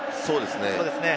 そうですね。